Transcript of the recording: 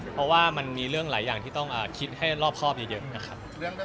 เพราะว่ามันมีเรื่องหลายอย่างที่ต้องคิดให้รอบครอบเยอะนะครับ